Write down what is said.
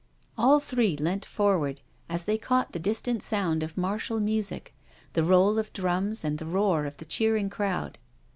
All three leant forward as they caught the distant sound of martial music, the roll of drums, and the roar of the cheering crowd.